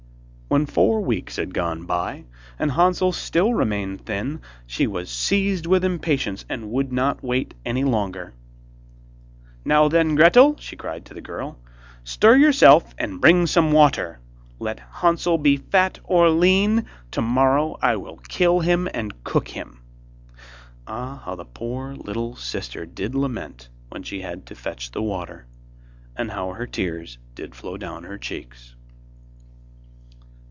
When four weeks had gone by, and Hansel still remained thin, she was seized with impatience and would not wait any longer. 'Now, then, Gretel,' she cried to the girl, 'stir yourself, and bring some water. Let Hansel be fat or lean, tomorrow I will kill him, and cook him.' Ah, how the poor little sister did lament when she had to fetch the water, and how her tears did flow down her cheeks!